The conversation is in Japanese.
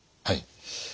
はい。